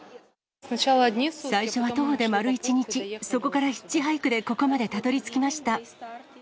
最初は徒歩で丸１日、そこからヒッチハイクでここまでたどりつきました。